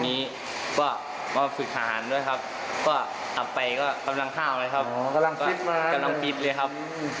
ก็ได้ยินเสียงให้ช่วยดูไม่รักร่างเลยใช่ครับ